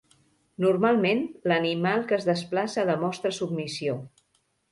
Normalment, l'animal que es desplaça demostra submissió.